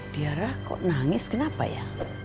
diarah kok nangis kenapa ya